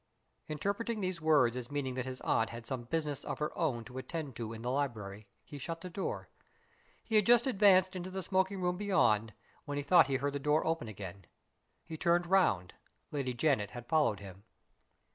Interpreting these words as meaning that his aunt had some business of her own to attend to in the library, he shut the door. He had just advanced into the smoking room beyond, when he thought he heard the door open again. He turned round. Lady Janet had followed him.